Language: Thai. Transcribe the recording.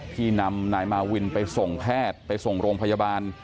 ที่นำนายมาวินไปส่งแพทย์ไปส่งโรงพยาบาล